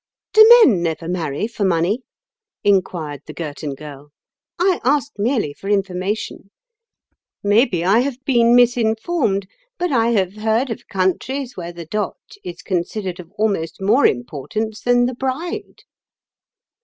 "Do men never marry for money?" inquired the Girton Girl. "I ask merely for information. Maybe I have been misinformed, but I have heard of countries where the dot is considered of almost more importance than the bride."